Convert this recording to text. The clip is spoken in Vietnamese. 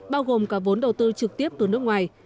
bao gồm cả vốn đầu tư trực tiếp từ nước ngoài